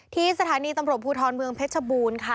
ที่สถานีตำรวจภูทรเมืองเพชรบูรณ์ค่ะ